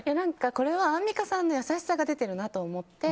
これはアンミカさんの優しさが出てるなと思って。